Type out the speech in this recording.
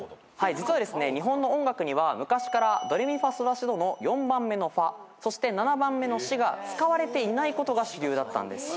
実は日本の音楽には昔からドレミファソラシドの４番目のファそして７番目のシが使われていないことが主流だったんです。